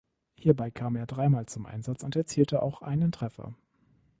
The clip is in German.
Hierbei kam er dreimal zum Einsatz und erzielte auch einen Treffer.